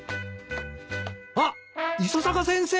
あっ伊佐坂先生！